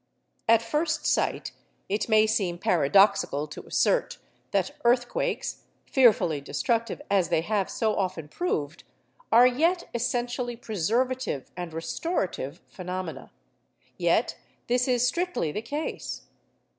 At first sight it may seem paradoxical to assert that earthquakes, fearfully destructive as they have so often proved, are yet essentially preservative and restorative phenomena; yet this is strictly the case.